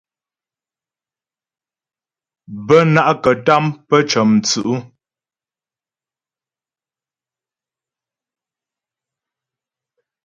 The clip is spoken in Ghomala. Bə́ ná'kətâm pə́ cə̌mstʉ̌'.